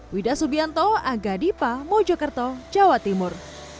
wida subianto aga dipa mojokerto jawa timur